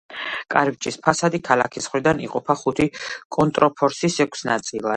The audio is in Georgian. კარიბჭის ფასადი ქალაქის მხრიდან იყოფა ხუთი კონტრფორსით ექვს ნაწილად.